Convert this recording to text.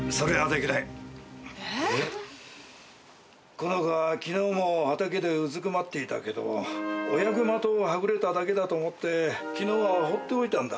この子は昨日も畑でうずくまっていたけど親熊とはぐれただけだと思って昨日は放っておいたんだ。